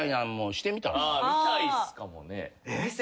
見たいっすかもね。